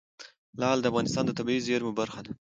لعل د افغانستان د طبیعي زیرمو برخه ده.